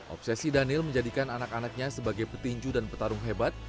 obsesi daniel menjadikan anak anaknya sebagai petinju dan petarung hebat